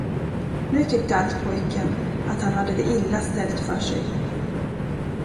Nu tyckte allt pojken, att han hade det illa ställt för sig.